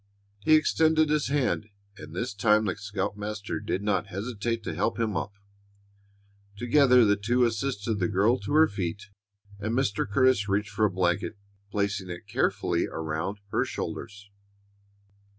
He extended his hand, and this time the scoutmaster did not hesitate to help him up. Together the two assisted the girl to her feet, and Mr. Curtis reached for a blanket, placing it carefully around her shoulders.